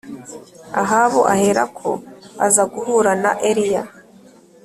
Ahabu aherako aza guhura na Eliya